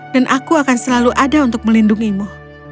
dan aku akan selalu ada untuk melindungimu